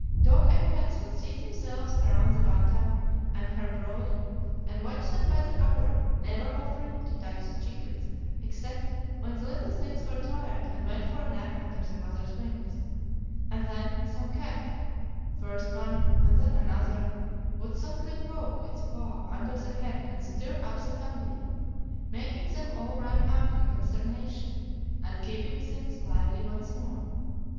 Dog and cats would seat themselves around the bantam and her brood and watch them by the hour, never offering to touch the chickens except when the little things were tired and went for a nap under their mother's wings; and then some cat first one and then another would softly poke its paw under the hen and stir up the family, making them all run out in consternation, and keeping things lively once more.